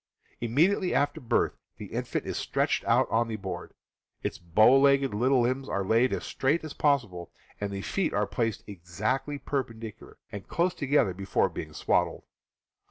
Immediately after birth the infant is stretched out on the board, its bowlegged little limbs are laid as straight as possible, and the feet are placed exactly perpendicular and close together before being swaddled.